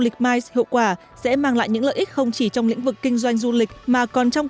lịch mice hiệu quả sẽ mang lại những lợi ích không chỉ trong lĩnh vực kinh doanh du lịch mà còn trong